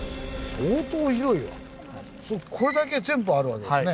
これだけ全部あるわけですね。